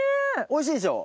おいしいでしょ？